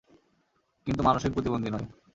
কিন্তু মানসিক প্রতিবন্ধী নয়!